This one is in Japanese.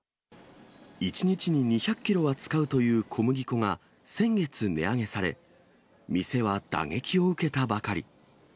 １日に２００キロは使うという小麦粉が先月値上げされ、店は打撃を受けたばかり。